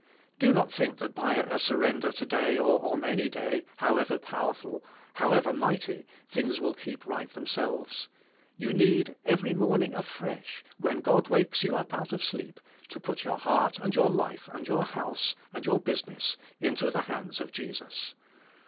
Do not think that by a surrender to day or on any day, however powerful, however mighty, things will keep right themselves. You need every morning afresh, when God wakes you up out of sleep, to put 3^our heart, ?\nd your life, and your house, and your business, into the hands of Jesus.